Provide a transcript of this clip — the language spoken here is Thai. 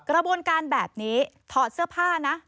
กระบวนการแบบนี้ถอดเสื้อผ้านะ